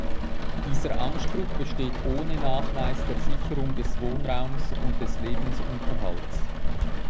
Dieser Anspruch besteht ohne Nachweis der Sicherung des Wohnraums und des Lebensunterhalts.